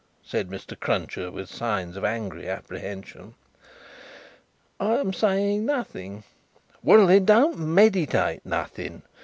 said Mr. Cruncher, with signs of angry apprehension. "I am saying nothing." "Well, then; don't meditate nothing.